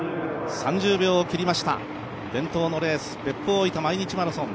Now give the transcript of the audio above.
３０秒を切りました、伝統のレース別府大分毎日マラソン。